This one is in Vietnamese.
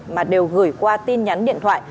mà đều gửi qua tin nhắn điện thoại